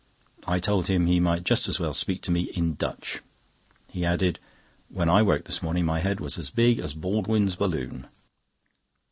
I told him he might just as well speak to me in Dutch. He added: "When I woke this morning, my head was as big as Baldwin's balloon."